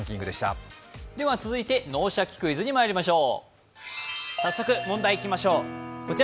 続いて「脳シャキ！クイズ」にまいりましょう。